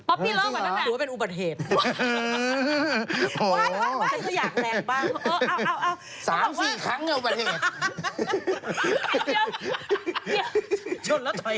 ป๊อปปี้เลิฟเหมือนกันแหละ